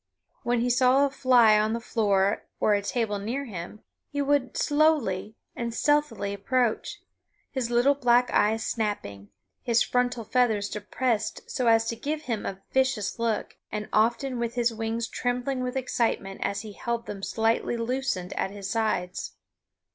When he saw a fly on the floor or table near him he would slowly and stealthily approach, his little black eyes snapping, his frontal feathers depressed so as to give him a vicious look, and often with his wings trembling with excitement as he held them slightly loosened at his sides.